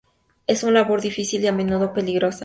Es una labor difícil y a menudo peligrosa.